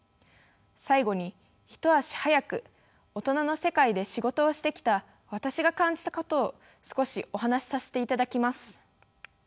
最後に一足早く大人の世界で仕事をしてきた私が感じたことを少しお話しさせていただきます。